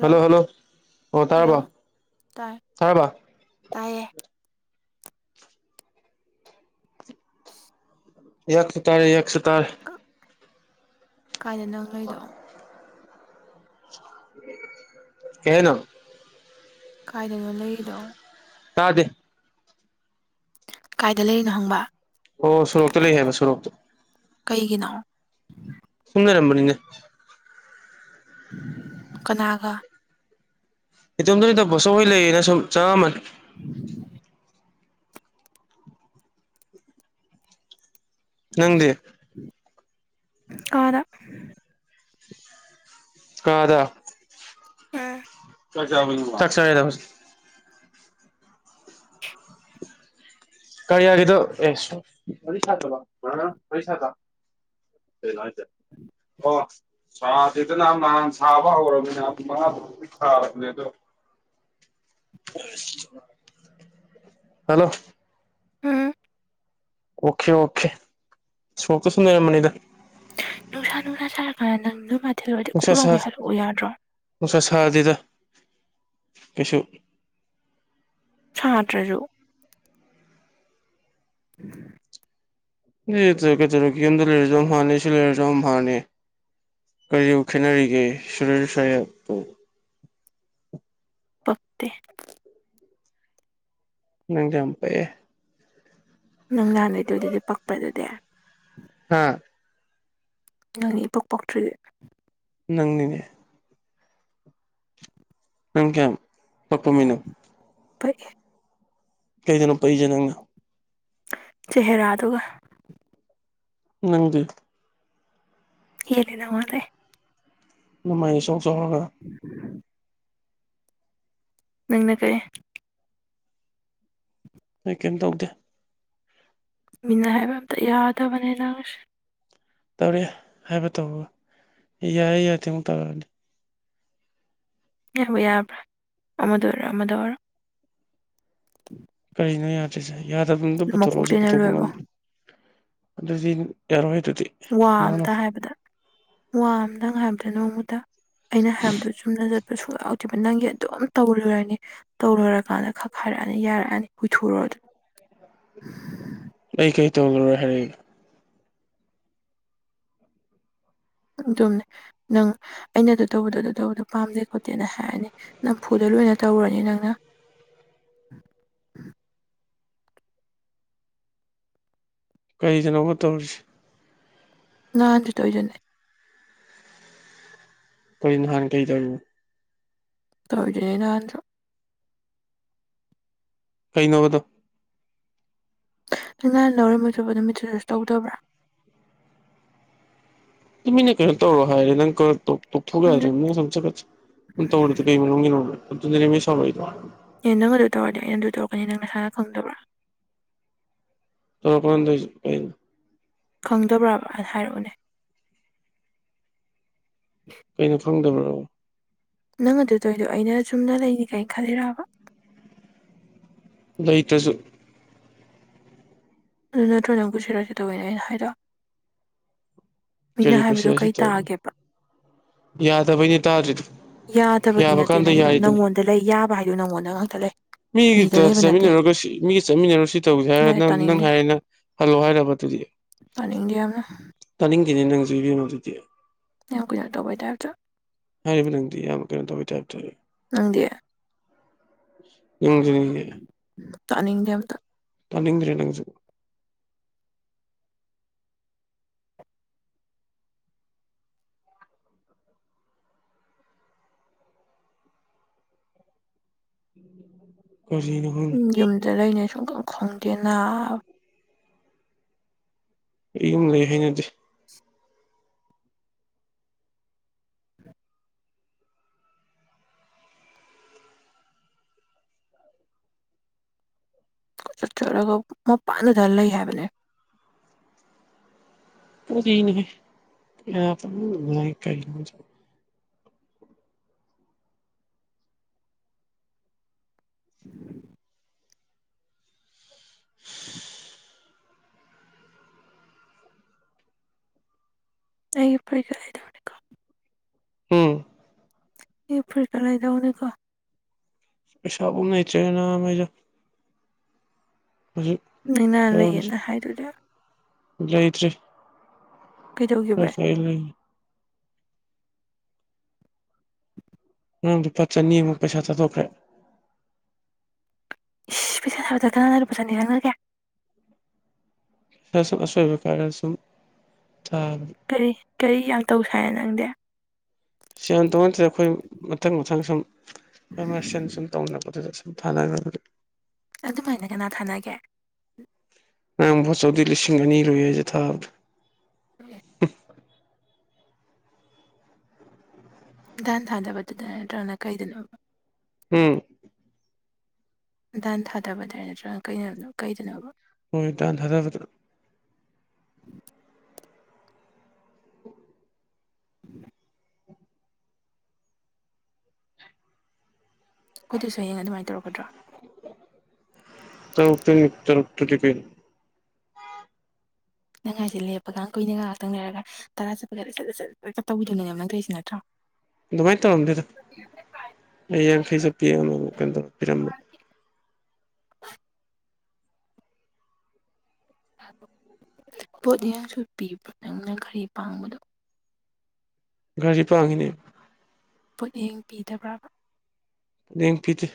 Hello hello ꯑꯣ hello ꯇꯥꯔꯕ ꯇꯥꯏ ꯇꯥꯔꯕ ꯇꯥꯏꯌꯦ ꯑꯩꯌꯥꯛꯁꯨ ꯇꯥꯔꯦ ꯑꯩꯌꯥꯛꯁꯨ ꯇꯥꯔꯦ ꯀꯥꯏꯗ ꯅꯪ ꯂꯩꯗꯣ ꯀꯩ ꯍꯥꯏꯅꯣ ꯀꯥꯏꯗꯅꯣ ꯂꯩꯔꯤꯗꯣ ꯇꯥꯗꯦ ꯀꯥꯏꯗ ꯂꯩꯔꯤꯅꯣ ꯍꯪꯕ ꯑꯣ ꯁꯣꯔꯣꯛꯇ ꯂꯩ ꯍꯥꯏꯕ ꯁꯣꯔꯣꯛꯇ ꯀꯩꯒꯤꯅꯣ ꯁꯨꯝ ꯂꯩꯔꯝꯕꯅꯤꯅꯦ ꯀꯅꯥꯒ ꯏꯇꯣꯝꯗꯅꯤꯗ ꯕꫭꯆꯧꯍꯣꯏ ꯂꯩꯌꯦꯅ ꯁꯨꯝ ꯆꯪꯉꯝꯃꯅꯤ [inaudible] ꯅꯪꯗꯤ ꯀꯥꯗ ꯀꯥꯗ ꯎꯝ [unintelligible] ꯆꯥꯛ ꯆꯔꯦꯗꯥꯕ ꯀꯔꯤꯌꯥꯒꯤꯗꫭ ꯑꯦ [unintelligible] [unintelligible] ꯁꯥꯗꯦꯗꯅ ꯅꯍꯥꯟ ꯁꯥꯕ ꯍꯧꯔꯕꯅꯤꯅ ꯑꯗꯨ ꯃꯉꯥ ꯇꯔꯨꯛꯇꯤ ꯁꯥꯔꯕꯅꯦ ꯑꯗꯣ [unintelligible] ꯍꯜꯂꯣ ꯎꯝ ꯑꯣꯀꯦ ꯑꯣꯀꯦ ꯁꯣꯔꫭꯛꯇ ꯁꯨꯝ ꯂꯩꯔꯝꯕꯅꯤꯗ ꯅꯨꯡꯁꯥ ꯅꯨꯡꯁꯥ ꯁꯥꯔꯀꯥꯟꯗ ꯅꯪ ꯅꫭꯏꯃ ꯊꯤꯜꯂꫭꯔꯗꯤ ꯅꯨꯡꯁꯥ ꯁꯥ ꯀꯣꯛꯂꯥꯎꯃꯩ ꯍꯜꯂꯛꯎ ꯌꯥꯗ꯭ꯔꯣ ꯅꯨꯡꯁꯥ ꯁꯥꯗꯗ ꯀꯩꯁꯨ ꯁꯥꯗ꯭ꯔꯁꯨ [unintelligible] [unintelligible] ꯀꯩꯗꯧꯔꯒꯦ ꯌꯨꯝꯗ ꯂꯩꯔꯁꯨ ꯑꯝꯍꯥꯅꯤ ꯁꯤ ꯂꯩꯔꯁꯨ ꯑꯝꯍꯥꯅꯤ ꯀꯔꯤꯗꯕꯨ ꯈꯦꯠꯅꯔꯤꯒꯦ ꯁꯨꯗꯤꯔ ꯁꯍꯦꯞꯄꯨ ꯄꯛꯇꯦ ꯅꯪꯗꯤ ꯌꯥꯝ ꯄꯛ ꯑꯦ ꯅꯪ [unintelligible] ꯄꯛꯄ꯭ꯔ ꯑꯗꯨꯗꯤ ꯍꯥ ꯅꯪꯅꯤ ꯏꯄꯛ ꯄꯛꯇ꯭ꯔꯤꯗꯤ ꯅꯪꯅꯤꯅꯦ ꯅꯪ ꯀꯌꯥꯝ ꯄꯛꯄ ꯃꯤꯅꯣ ꯄꯛꯏ ꯀꯩꯗꯅꯣ ꯄꯛꯏꯁꯦ ꯅꯪꯅ ꯆꯦꯍꯦꯔꯥꯗꯨꯒ ꯅꯪꯗꯤ ꯍꯦꯜꯂꯤ ꯅꯪꯉꫭꯟꯗꯩ ꯅꯃꯥꯏ ꯏꯆꯥꯎ ꯆꯥꯎꯔꯒ ꯅꯪꯅ ꯀꯩ ꯑꯩ ꯀꯩꯝ ꯇꯧꯗꯦ ꯃꯤꯅ ꯍꯥꯏꯕ ꯑꯝꯇ ꯌꯥꯗꯕꯅꯤ ꯅꯪꯁꯤ ꯇꯧꯔꯛꯑꯦ ꯍꯥꯏꯕ ꯇꯧꯕꯒ ꯌꯥꯏ ꯌꯥꯗꯦ ꯑꯃꯨꯛ ꯇꯧꯔꯛꯑꯅꯤ ꯅꯪꯕꯨ ꯌꯥꯕ꯭ꯔ ꯑꯃꯗ ꯑꯣꯏꯔꯣ ꯑꯃꯗ ꯑꯣꯏꯔꯣ ꯀꯔꯤꯅꯣ ꯌꯥꯗ꯭ꯔꯤꯁꯦ ꯌꯥꯗꯕꯝꯇ ꯄꯨꯊꯣꯔꯛꯑꯁꯨ ꯃꯀꯣꯛꯇꯩꯅ ꯄꯨꯊꯣꯛꯄ ꯂꯣꯏꯕꯧ ꯉꯝꯗꯦ ꯑꯗꯨꯗꯤ ꯌꯥꯔꯣꯏ ꯍꯥꯏꯗꯨꯗꯤ ꯋꯥ ꯑꯝꯇ ꯍꯥꯏꯕꯗ ꯋꯥ ꯑꯝꯇꯪ ꯍꯥꯏꯕꯗ ꯅꯣꯡꯃꯇ ꯑꯩꯅ ꯍꯥꯏꯕꯗꫭ ꯆꯨꯝꯅ ꯆꯠꯄ ꯁꯨꯡ ꯌꯥꯎꯗꯦꯕ ꯅꯪꯒꯤ ꯑꯗꯨꯝ ꯇꯧꯔꯨꯔꯅꯤ ꯇꯧ ꯂꫭꯏꯔꯀꯥꯟꯗ ꯈꯛ ꯍꯥꯏꯔꯛꯑꯅꯤ ꯌꯥꯔꯛꯑꯅꯤ [unintelligible] ꯑꯩ ꯀꯩ ꯇ ꯍꯥꯏꯦ ꯑꯗꯨꯝꯅꯦ ꯅꯪ ꯑꯩꯅ ꯑꯗꯨ ꯇꯧꯕꯗꯣ ꯑꯗꯨ ꯇꯧꯕꯗꯣ ꯄꯥꯝꯗꯦ ꯈꯣꯠꯇꯦꯅ ꯍꯥꯏꯔꯅꯤ ꯅꯝꯐꯨꯗ ꯂꯣꯏꯅ ꯇꯧꯔꯅꯤ ꯅꯪꯅ ꯀꯩꯗꯅꯣ ꯇꯧꯔꯤꯁꯤ ꯅꯍꯥꯟ ꯑꯗꯨ ꯇꯣꯏꯗꯅꯦ ꯀꯩ ꯅꯍꯥꯟ ꯀꯩ ꯇꯧꯔꯤꯕ ꯇꯧꯔꯤꯗꯨꯅꯤ ꯅꯍꯥꯟꯖꯨ ꯀꯩ ꯅꯣꯕꯗꯣ ꯅꯪ ꯅꯍꯥꯟ ꯂꯧꯔꯝꯣꯏꯗꯕ ꯅꯨꯃꯤꯠꯇꯖꯁꯨ ꯇꯧꯗꯕ꯭ꯔꯥ ꯑꯗꯨ ꯃꯤꯅ ꯀꯩꯅꯣ ꯇꯧꯔꫭ ꯍꯥꯏꯔꯦ ꯅꯪ [unintelligible] ꯌꯥꯗ꯭ꯔ ꯈꯪꯗꯦ ꯃꯤꯅ ꯁꯨꯝ ꯆꯒꯠ ꯆꯒꯠ ꯇꯧꯔ ꯇ ꯀꯩ ꯃꯤꯅ ꯃꯤ ꯁꯥꯎꯥꯏ ꯑꯦ ꯅꯪ ꯑꯗꯨ ꯇꯧꯔꯗꯤ ꯅ ꯑꯗꯨ ꯇꯧꯔꯛꯀꯅꯤ ꯅꯪ ꯅꯁꯥꯅ ꯈꯪꯗꯕ꯭ꯔꯥ ꯇꯧꯄꯥꯟꯗ ꯈꯪꯗꯕ꯭ꯔꯕꯅ ꯍꯥꯏꯔꯛꯎꯅꯦ ꯀꯩꯅꯣ ꯐꯪꯗꯕ꯭ꯔꯣ ꯅꯪ ꯑꯗꯨꯗꯣꯏꯗꯣ ꯑꯩꯅ ꯆꯨꯝꯅ ꯂꯩꯅꯤ ꯀꯥꯏꯅ ꯈꯜꯂꯤꯔꯕ ꯂꯩꯇꯁꯨ ꯑꯗꯨ ꯅꯠꯇꯒ ꯅꯪꯕꯨꯁꯤꯔꯛꯀꯦ ꯇꯧꯕꯅꯤꯅꯦ ꯑꯩꯅ ꯍꯥꯏꯔꯛꯑꯣ ꯃꯤꯅ ꯀꯔꯤ ꯍꯥꯏꯕꯗꯨꯣ ꯀꯨꯁꯤꯔ ꯁꯤ ꯀꯩ ꯇꯧ ꯇꯥꯒꯦꯕ ꯌꯥꯗꯕꯩꯅꯦ ꯇꯥꯗ꯭ꯔꯤꯗꯣ ꯌꯥꯗꯕꯒꯤ ꯌꯥꯕ ꯅꯠꯇꯦ ꯀꯥꯟꯗ ꯅꯪꯒꯤꯗꯣ ꯌꯥꯔꯤꯗꯨꯅꯤ ꯅꯪꯉꯣꯟ ꯑꯗ ꯂꯩ ꯌꯥꯕ ꯍꯥꯏꯗꯨꯣ ꯅꯉꯣꯟꯗ ꯉꯥꯡꯊ ꯂꯩ ꯃꯤꯗ ꯃꯤꯒꯤꯗ ꯂꯩꯕ ꯅꯠꯇꯦ ꯆꯠꯃꯤꯟꯅꯔꯨꯔꯒ ꯃꯤꯒ ꯆꯠꯃꯤꯟꯅꯔꯨ ꯁꯤ ꯇꯧꯁꯦ ꯍꯥꯏꯔ ꯌꯥꯔꯦ ꯅꯪ ꯅꯪ ꯇꯥꯅꯤꯡꯗꯦ ꯍꯥꯏꯔꯔꯤꯅ ꯍꯜꯂꯣ ꯍꯥꯏꯔꯕ ꯑꯗꯨꯗꯤ ꯄꯥꯅꯤꯡꯗꯦ ꯌꯥꯝꯅ ꯇꯥꯅꯤꯡꯈꯤꯅꯤ ꯅꯪꯁꯤꯕꯤꯅꯣ ꯑꯗꯨꯗꯤ ꯌꯥ ꯀ ꯌꯥꯛꯇꯕꯥꯏ ꯇꯥꯐꯇꯔ ꯍꯥꯏꯔꯤꯕ ꯅꯪꯗꯤ ꯌꯥꯝꯅ ꯀꯩꯅꯣ ꯇꯧꯋꯤ ꯇꯥꯏꯞꯇ ꯅꯪꯗꯤ ꯌꯝꯔꯤꯅꯦ ꯇꯅꯤꯡꯗꯦꯕꯗ ꯇꯥꯅꯤꯡꯗ꯭ꯔꯦ ꯅꯪꯁꯨ ꯀꯅ ꯎꯝ ꯌꯨꯝꯗ ꯂꯩꯅꯦ ꯁꯨꯡꯈꯡ ꯈꯪꯗꯦ ꯅꯥ ꯑꯩꯨꯝ ꯂꯩ ꯍꯥꯏꯅꯗꯦ ꯆꯠꯆꯔꯒ ꯃꯄꯥꯟꯗꯨꯗ ꯂꯩ ꯍꯥꯏꯕꯅꯦ ꯀꯗꯤꯅꯦ ꯀ [unintelligible] ꯑꯩ ꯐꯨꯔꯤꯀ ꯂꯩꯇꯦ ꯎꯝ ꯌꯦ ꯐꯔꯤꯇ ꯂꯩꯗꯥꯎꯅꯦꯀꯣ ꯄꯩꯁꯥꯕꯨ ꯅꯇꯦꯅ ꯃ ꯅꯅ ꯂꯩꯌꯦꯅ ꯍꯥꯏꯗꯨꯅꯦ ꯂꯩꯇ꯭ꯔꯤ ꯀꯩꯗꯧꯒꯤꯕ ꯐꯁ ꯅꯗꯨ ꯐꯠ ꯆꯅꯤꯃꯨꯛ ꯄꯩꯁꯥꯊꯣꯛꯈ꯭ꯔꯦ ꯏ ꯄꯩꯁꯥ ꯍꯥꯏꯕ ꯊꯥꯅ ꯑꯗꯨ ꯄꯨꯖꯥꯅꯤꯔꯥꯡꯅꯔꯒꯦ ꯈꯔ ꯁꯨꯝ ꯑꯁꯣꯏꯕ ꯀꯔꯔ ꯁꯨꯝ ꯊꯥꯕ ꯀꯔꯤ ꯀꯔꯤ ꯌꯥꯝ ꯇꯧꯁꯥꯏ ꯅꯪꯗꯤ꯫ ꯁꯦꯜ ꯇꯧꯅꯗꯦ ꯑꯩꯈꯣꯏ ꯑꯍꯨꯝ ꯃꯊꯪ ꯃꯊꯪ ꯁꯨꯝ ꯑꯃꯥ ꯁꯦꯟ ꯁꯨꯝ ꯇꯧꯅꯕꯗꯨꯗ꯫ [unintelligible] ꯑꯗꯨꯃꯥꯏꯅ ꯀꯅꯥ ꯊꯥꯅꯒꯦ꯫ ꯅꯪꯚꯣꯆꯧꯒꯤ ꯂꯤꯁꯤꯡ ꯑꯅꯤ ꯂꯣꯢ ꯍꯥꯏꯁꯦ ꯊꯥꯕꯗ꯫ [inaudible] ꯗꯥꯥꯟ ꯊꯥꯗꯕꯗꯨꯗ ꯅꯠꯇ꯭ꯔꯒꯅ ꯀꯩꯗꯅꯣ ꯎꯝ ꯗꯥꯟ ꯊꯥꯗꯕꯗꯔꯥ ꯅꯠꯇ꯭ꯔꯒꯅ ꯀꯩꯅꯗꯣ ꯀꯩꯗꯅꯣꯕ ꯍꯣꯏ ꯏ ꯇꯥꯟ ꯊꯥꯗꯕꯗ [inaudible] ꯑꯗꯨꯁꯨ ꯍꯌꯦꯡ ꯑꯗꯨꯃꯥꯏꯅ ꯇꯧꯔꯛꯀꯗ꯭ꯔꯣ? ꯇ ꯎꯇ ꯇ ꯎꯛꯇ ꯇꯀꯩ ꯅꯪ ꯍꯥꯏꯁꯦ ꯂꯦꯞꯄꯒ ꯀꯨꯏꯅ ꯉꯥꯍꯥꯛꯇꯪꯂꯩꯔꯒ꯫ ꯇꯔꯥ ꯆꯠꯄꯒ ꯁꯠꯁꯠ ꯇꯧꯕꯤꯗꯨꯅꯦꯕ ꯅꯪꯇꯧꯔꯤꯁꯤ ꯅꯠꯇ꯭ꯔꯣ? ꯑꯗꯨꯃꯥꯏꯅ ꯇꯧꯔꯝꯗꯦꯗ ꯑꯩ ꯌꯥꯡꯈꯩ ꯆꯄꯤꯃ ꯀꯩꯅꯣ ꯇꯧꯔ ꯄꯤꯔꯝꯕꯅꯦ ꯄꯣꯠ ꯌꯦꯁꯨ ꯄꯤꯕ꯭ꯔꯥ ꯅꯪꯅ ꯈꯔꯤ ꯄꯥꯡꯕꯗꯣ? ꯘꯔꯤ ꯄꯥꯡꯉꯤꯅꯦ ꯄꯣꯠꯌꯦꯡ ꯄꯤꯗꯕ꯭ꯔꯥꯕ? ꯂꯦꯝ ꯄꯤꯗꯦ꯫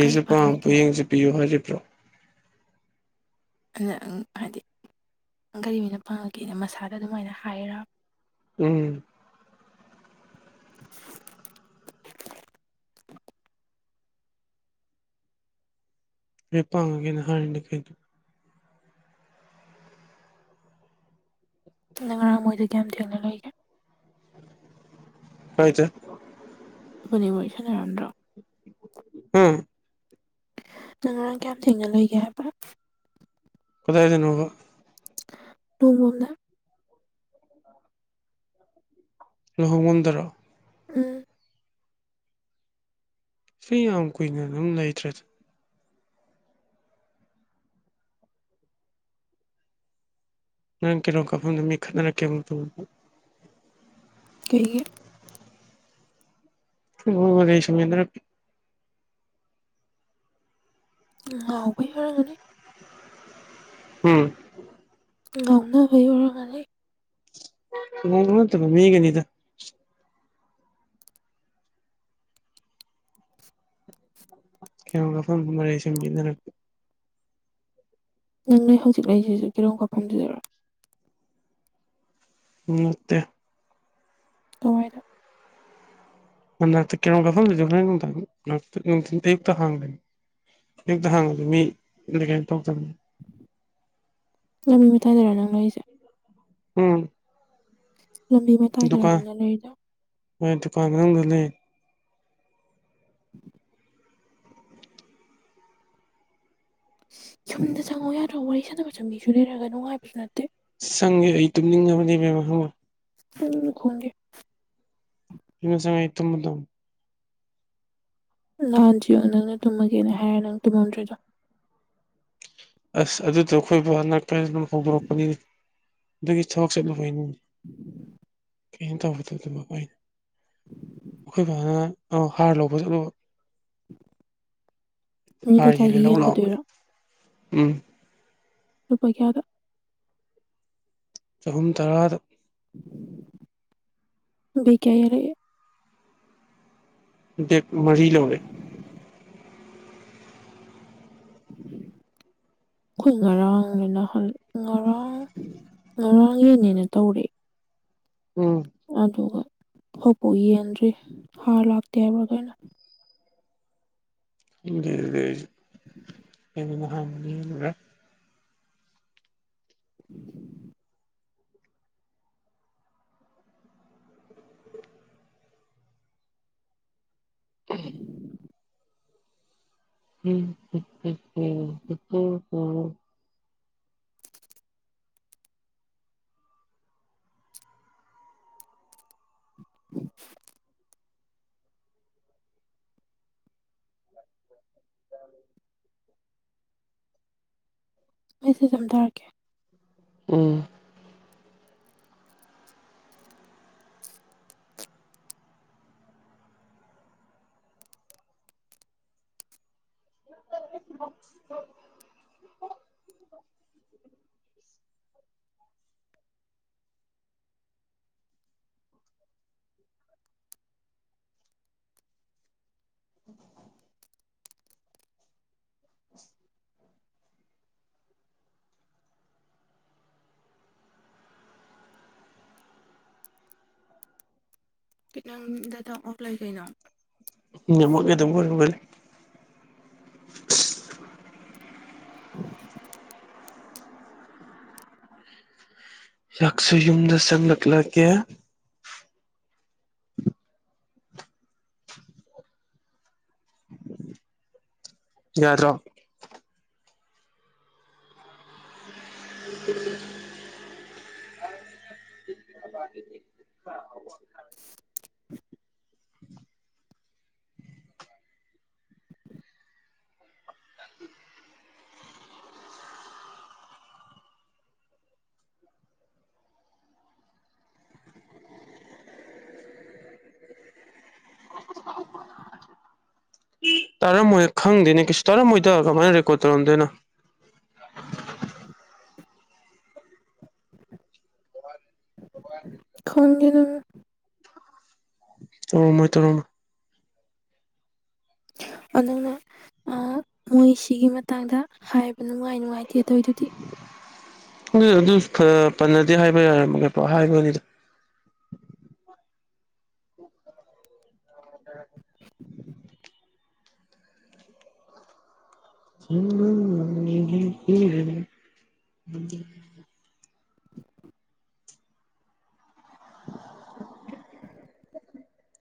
ꯘꯔꯤ ꯄꯥꯡ ꯄꯥꯡꯉꯒꯦ ꯄꯣꯌꯦꯡꯁꯨ ꯄꯤꯌꯨ ꯍꯥꯏꯔꯤꯕ꯭ꯔꯣ ꯑꯗꯨꯗ ꯍꯥꯏꯗꯤ ꯀꯔꯤꯃꯤꯅ ꯐꯪꯉꯛꯀꯦꯅ ꯃꯁꯥꯗ ꯑꯗꯨꯃꯥꯏꯅ ꯍꯥꯏꯔꯣ? ꯎꯝ [inaudible] ꯍꯦ ꯄꯥꯡꯉꯒꯦꯅ ꯍꯥꯏꯔꯤꯅꯦ ꯀꯩꯗꯣ ꯅ ꯉꯔꯥꯡ ꯃꯣꯏꯗ ꯀꯌꯥꯝ ꯊꯦꯡꯅ ꯂꯩꯒꯦ [unintelligible] ꯐꯅꯤ ꯃꯣꯏ ꯁꯥꯟꯅꯔꯝꯗ꯭ꯔꯣ ꯎꯝ ꯅꯪ ꯉꯔꯥꯡ ꯀꯌꯥꯝ ꯊꯦꯡꯅ ꯂꯩꯒꯦ ꯍꯥꯏꯕ? ꯀꯗꯥꯏꯗꯅꯣꯕ? ꯅꯣꯡꯕꯝꯗ [unintelligible] ꯂꯨꯍꯣꯡꯕꯝꯗꯔꯣ ꯎꯝ ꯁꯤ ꯌꯥꯝ ꯀꯨꯏꯅ ꯑꯗꯨꯝ ꯂꯩꯇ꯭ꯔꯦꯗꯤ ꯅꯪ ꯀꯩꯅꯣꯝ ꯀꯥꯐꯝꯗ ꯃꯤ ꯈꯠꯅꯔꯛꯀꯦꯕꯨ ꯀꯩꯒꯤ? [unintelligible] ꯎꯝ ꯉꯥꯎꯕꯩ ꯑꯣꯏꯔꯝꯒꯅꯤ ꯎꯝ ꯉꯥꯎꯅꯕꯩ ꯑꯣꯢꯎꯔꯝꯒꯅꯤ [unintelligible] ꯀ ꯀꯐꯝ ꯃꯔꯩ ꯁꯨꯝ ꯌꯦꯠꯅꯔꯛ ꯅꯪ ꯅꯣꯏ ꯍꯧꯖꯤꯛ ꯂꯩꯁꯤꯁꯨ ꯀꯤꯔꯣꯝ ꯀꯥꯐꯝꯁꯤꯗꯔꯣ ꯅꯠꯇꯦ꯫ ꯍꯣꯏꯅ ꯍꯟꯛꯇ ꯀꯩꯅꯣꯝ ꯀꯐꯝꯗꯈ ꯅꯨꯡꯅꯨꯡꯊ ꯑꯌꯨꯛꯇ ꯍꯥꯡꯕꯅꯤ ꯑꯨꯛꯇ ꯍꯪꯉꯗꯤ ꯃꯤ ꯑꯗ ꯀꯩꯅꯣ ꯇꯧꯇꯕꯅꯤ ꯂꯝꯃꯤ ꯇꯥꯗꯔꯥ ꯅꯪ ꯑꯩꯁꯦ ꯎꯝ꯫ ꯂꯝꯕꯤ ꯃꯇꯥꯏꯗꯔꯅꯪꯅ ꯂꯩꯔꯤꯗꯣ? ꯃꯣꯏ ꯗꯨꯀꯥꯟ ꯃꯅꯨꯡꯗ ꯂꯩ꯫ ꯌꯨꯝꯗ ꯆꯪꯉꯣ ꯌꯥꯗ꯭ꯔꯣ ꯋꯥꯔꯤ ꯁꯥꯟꯅꯕ ꯆꯪꯕꯤꯁꯨ ꯂꯩꯔꯒ ꯅꯨꯡꯉꯥꯏꯕꯁꯨ ꯅꯠꯇꯦ ꯆꯪꯉꯦ ꯑꯩ ꯇꯨꯝꯅꯤꯡꯉꯕꯅꯦ ꯃꯦꯝꯍꯪꯣ [inaudible] ꯌꯨꯝꯗ ꯆꯪꯉꯛꯑ ꯑꯩ ꯇꯨꯝꯃꯥꯙꯧꯅꯦ꯫ ꯅꯍꯥꯟꯗꯤꯌꯣ ꯅꯪꯅ ꯇꯨꯝꯃꯒꯦꯅ ꯍꯥꯏꯔꯦ ꯅꯪ ꯇꯨꯝꯃꯝꯗ꯭ꯔꯤꯗꯣ ꯑꯁ ꯑꯗꯨꯗꯣ ꯑꯩꯈꯣꯏꯕꯨ ꯍꯟꯗꯛ ꯀ ꯑꯗꯨꯝ ꯍꯧꯗꯣꯔꯛꯄꯅꯤꯅ ꯑꯗꯨꯒꯤ ꯊꯕꯛ ꯆꯠꯂꯨ ꯍꯥꯏꯅꯤꯡ [inaudible] ꯀꯩꯅꯅ ꯇꯧꯕꯗꯣ ꯑꯗꯨꯃꯛ ꯑꯩꯅ ꯑꯩꯈꯣꯏ ꯕꯥꯅ ꯍꯥꯔ ꯂꯧꯕ ꯆꯠꯂꯨꯕ ꯅꯣꯏ ꯍꯥꯔ ꯌꯦꯂꯤ ꯂꯩꯀꯥꯏꯒꯤ ꯂꯧ ꯂꯥꯛꯑꯣ ꯌꯦꯟꯕꯗꯨꯏꯔꯣ ꯂꯨꯄꯥ ꯀꯌꯥꯗ ꯆꯍꯨꯝ ꯇꯔꯥꯗ ꯕꯤ ꯀꯌꯥ ꯌꯥꯔꯦ ꯕꯦꯛ ꯃꯔꯤ ꯂꯧꯔꯦ [inaudible] ꯑꯩꯈꯣꯏ ꯉꯔꯥꯡꯅꯦꯅ ꯍ ꯉꯔꯥꯡ ꯉꯔꯥꯡ ꯌꯦꯟꯅꯦꯅ ꯇꯧꯔꯑꯦ ꯎꯝ ꯑꯗꯨꯒ ꯍꯧꯛꯐꯥꯎ ꯌꯦꯟꯗ꯭ꯔꯤ ꯍꯥꯔ ꯂꯥꯛꯇꯦ ꯍꯥꯏꯕ꯭ꯔꯥꯈꯩꯅ ꯋꯦ ꯎ ꯃꯍ ꯃꯅꯤ [unintelligible] [inaudible] [unintelligible] [inaudible] ꯆ ꯃꯦꯁꯦꯖ ꯑꯃꯝ ꯇꯔꯛꯀꯦ ꯎꯝ [unintelligible] ꯎ [inaudible] ꯈꯤꯇꯪ ꯗ ꯇꯥ ꯑꯣꯐ ꯂꯩ ꯀꯩꯅꯣ ꯅꯃꯣꯒꯗꯝꯕꯣꯏꯕꯔꯦ [unintelligible] ꯍꯥꯛꯁꯨ ꯌꯨꯝꯗ ꯆꯪꯂꯛꯂꯒꯦ ꯌꯥꯔꯣ [inaudible] [unintelligible] ꯇꯥꯔꯝꯃꯣꯏ ꯈꯪꯗꯦꯅꯦ ꯀꯁꯨ ꯇꯥꯔꯝꯃꯣꯏꯗ ꯀꯃꯥꯏꯅ ꯔꯦꯀꯣꯔꯠ ꯇꯧꯔꯝꯗꯣꯏꯅ [unintelligible] ꯑꯣ ꯃꯣꯏ ꯇꯧꯔꯣꯝ ꯑꯗꯨꯅ ꯃꯣꯏ ꯁꯤꯒꯤ ꯃꯇꯥꯡꯗ ꯍꯥꯏꯕ ꯅꯨꯡꯉꯥꯏ ꯅꯨꯡꯉꯥꯏꯇꯦ ꯑꯗꯨꯑꯣꯏꯗꯤ ꯑꯗꯨ ꯄꯟꯅꯗꯦ ꯍꯥꯏꯕ ꯌꯥꯔꯃꯣ ꯍꯥꯏꯕꯅꯤꯗ [inaudible] ꯎꯝ ꯎ [unintelligible] [unintelligible]